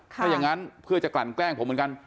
ถ้าอย่างนั้นเพื่อจะกลั่นแกล้งผมเหมือนกัน